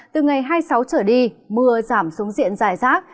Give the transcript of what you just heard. từ ngày hai mươi sáu trở đi mưa giảm xuống diện dài rác